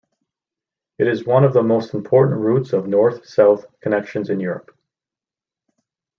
It is one of the most important routes of north-south connections in Europe.